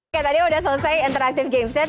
oke tadi udah selesai interactive game set